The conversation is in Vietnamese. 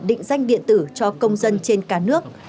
định danh điện tử cho công dân trên cả nước